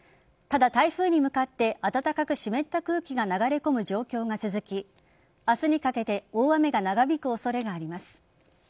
ただ、台風に向かって暖かく湿った空気が流れ込む状況が続き明日にかけて大雨が長引く恐れがあります。